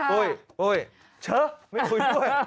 โอ้ยโอ้ยเฉอะไม่คุยด้วย